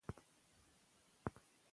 تاسو د خپلواکۍ د ساتلو لپاره چمتو اوسئ.